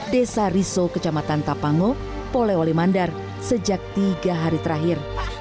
desa riso kecamatan tapango polewolemandar sejak tiga hari terakhir